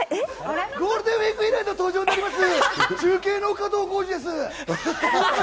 ゴールデンウイーク以来の登場になります。